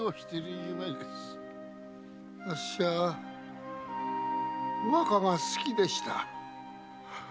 あっしは若が好きでした。